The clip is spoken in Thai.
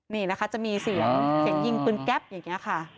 นี่นะคะจะมีเสียงเสียงยิงปืนแก๊ปอย่างนี้ค่ะ